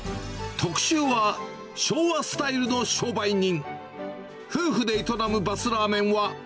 特集は昭和スタイルの商売人。